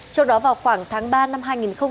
trong đó vào khoảng tháng ba năm hai nghìn hai mươi một